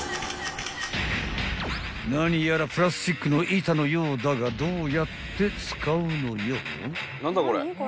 ［何やらプラスチックの板のようだがどうやって使うのよ？］